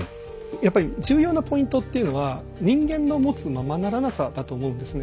やっぱり重要なポイントっていうのは人間の持つ「ままならなさ」だと思うんですね。